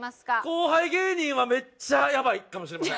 後輩芸人はめっちゃやばいかもしれません。